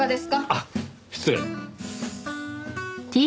あっ失礼。